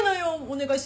お願い。